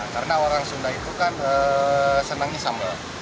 karena orang sunda itu kan senangnya sambel